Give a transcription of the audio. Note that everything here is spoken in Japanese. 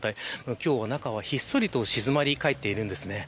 今日、中はひっそりと静まり返っています。